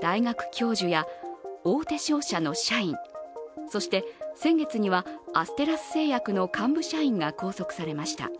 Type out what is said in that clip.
大学教授や大手商社の社員、そして先月には、アステラス製薬の幹部社員が拘束されました。